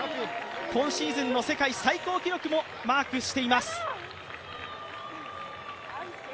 今シーズンの世界最高記録もマークしています。